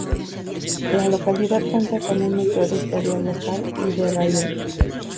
La localidad cuenta con un museo de historia local y del raión.